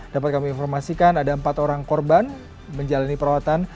dapat kami informasikan ada empat orang korban menjalani perawatan